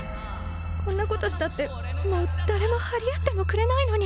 こんなことしたってもう誰も張り合ってもくれないのに。